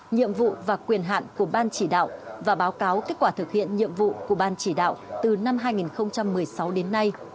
nhiệm vụ và quyền hạn của ban chỉ đạo và báo cáo kết quả thực hiện nhiệm vụ của ban chỉ đạo từ năm hai nghìn một mươi sáu đến nay